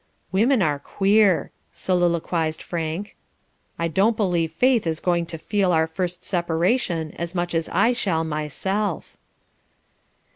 "Women are queer," soliloquized Frank. "I don't believe Faith is going to feel our first separation as much as I shall myself."